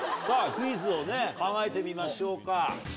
クイズをね考えてみましょうか。